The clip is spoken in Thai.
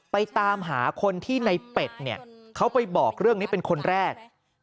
ตามหาคนที่ในเป็ดเนี่ยเขาไปบอกเรื่องนี้เป็นคนแรก